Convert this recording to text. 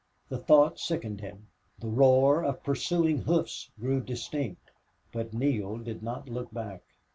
The thought sickened him. The roar of pursuing hoofs grew distinct, but Neale did not look back.